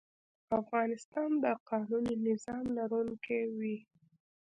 افغانستان د قانوني نظام لرونکی وي.